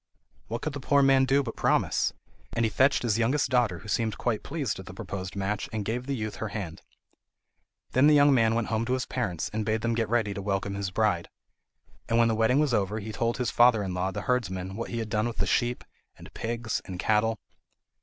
What could the poor man do but promise? And he fetched his youngest daughter, who seemed quite pleased at the proposed match, and gave the youth her hand. Then the young man went home to his parents, and bade them get ready to welcome his bride. And when the wedding was over he told his father in law, the herdsman, what he had done with the sheep, and pigs, and cattle.